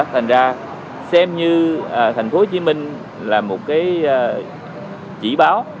thế nên xem như thành phố hồ chí minh là một cái chỉ báo